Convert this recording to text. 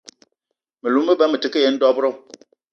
Me lou me ba me te ke yen dob-ro